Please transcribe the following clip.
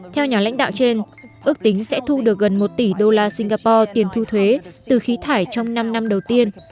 theo nhà lãnh đạo trên ước tính sẽ thu được gần một tỷ đô la singapore tiền thu thuế từ khí thải trong năm năm đầu tiên